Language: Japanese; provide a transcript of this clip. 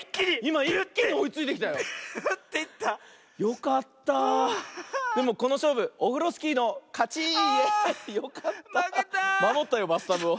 まもったよバスタブを。